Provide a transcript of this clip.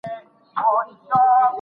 ټولنیز ژوند یوازې په فردي هڅو نه چلېږي.